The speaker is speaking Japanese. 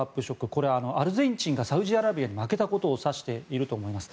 これはアルゼンチンがサウジアラビアに負けたことを表していると思います。